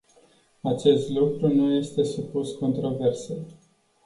Acest lucru nu este supus controversei.